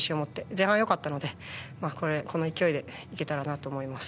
前半は良かったのでこの勢いで行けたらなと思います。